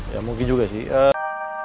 ya mungkin juga sih